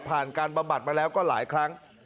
การบำบัดมาแล้วก็หลายครั้ง